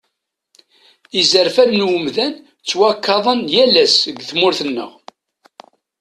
Izerfan n umdan ttwarkaḍen yal ass deg tmurt-nneɣ.